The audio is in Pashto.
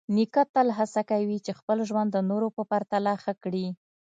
نیکه تل هڅه کوي چې خپل ژوند د نورو په پرتله ښه کړي.